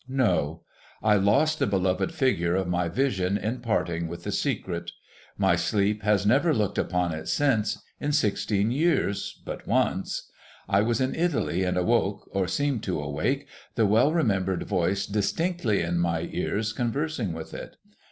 No. I lost the beloved figure of my vision in parting with the secret. My sleep has never looked upon it since, in sixteen years, but once. I was in Italy, and awoke (or seemed to awake), the well remembered voice distinctly in my ears, conversing with it.